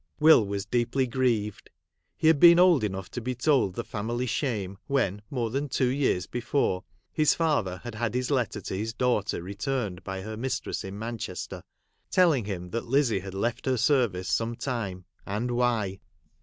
Will was deeply grieved. He had been old enough to be told the family shame when, more than two years before, his father had had his letter to his daughter returned by her mistress in Manchester, telling him that Lizzie had left her service some time — and why.